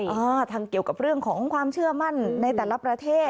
อ่าทางเกี่ยวกับเรื่องของความเชื่อมั่นในแต่ละประเทศ